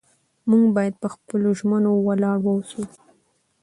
موږ باید په خپلو ژمنو ولاړ واوسو